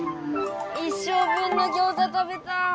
一生分のギョウザ食べた。